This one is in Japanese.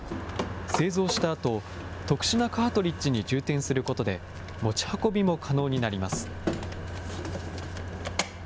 製造したあと、特殊なカートリッジに充填することで持ち運びも可能になります。